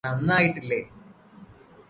നന്നായിട്ടില്ലേ